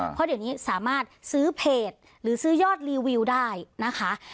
เพราะเดี๋ยวนี้สามารถซื้อเพจหรือซื้อยอดรีวิวได้นะคะ